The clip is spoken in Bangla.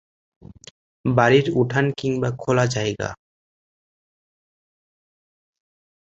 বাড়ির উঠান কিংবা খোলা জায়গা।